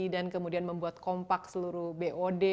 dan kemudian membuat kompak seluruh bod